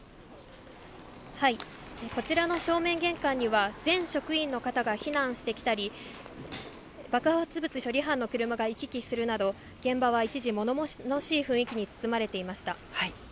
こちらの正面玄関には、全職員の方が避難してきたり、爆発物処理班の車が行き来するなど、現場は一時、ものものしい雰囲気に包まれていました。